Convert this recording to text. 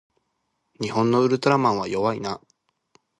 日本のウルトラマンは弱いな